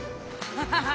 ハハハハ！